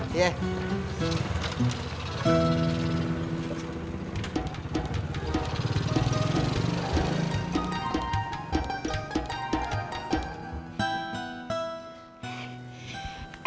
makasih bang ojak